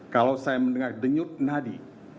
kalau saya mendengar denyut nadi